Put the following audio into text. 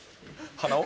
鼻を？